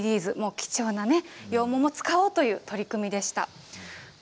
貴重な羊毛を使おうという取り組みでした。